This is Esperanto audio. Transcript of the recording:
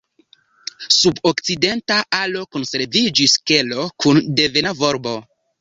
Sub okcidenta alo konserviĝis kelo kun devena volbo.